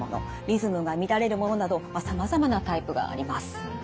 リズムが乱れるものなどさまざまなタイプがあります。